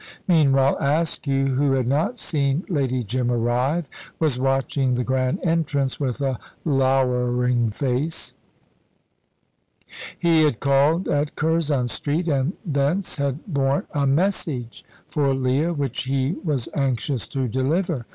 Meanwhile, Askew, who had not seen Lady Jim arrive, was watching the grand entrance with a lowering face. He had called at Curzon Street, and thence had borne a message for Leah which he was anxious to deliver.